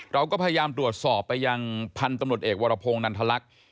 เราก็พยายามตรวจสอบไปยังพันธุ์ตำรวจเอกวรพงศ์นันทลักษณ์